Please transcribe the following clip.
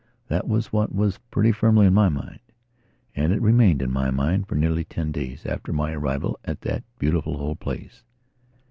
That was what was pretty firmly in my mind. And it remained in my mind for nearly ten days after my arrival at that beautiful old place.